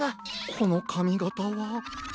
このかみがたは。